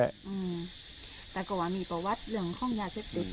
อืมแต่ก็ว่ามีประวัติอย่างข้องยาเซ็ตติด